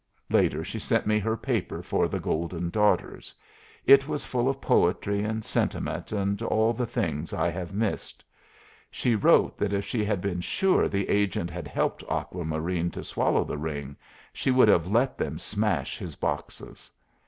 Later she sent me her paper for the Golden Daughters. It is full of poetry and sentiment and all the things I have missed. She wrote that if she had been sure the agent had helped Aqua Marine to swallow the ring, she would have let them smash his boxes.